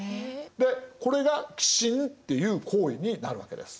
でこれが寄進っていう行為になるわけです。